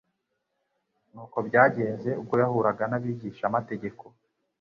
nuko byagenze ubwo yahuraga n'abigishamategeko